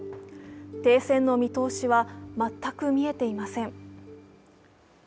停戦の見通しは全く見えていません。